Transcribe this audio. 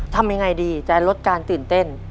ทำยังไงดีจะลดการตื่นเต้น